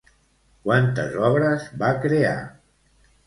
Quantes obres va crear?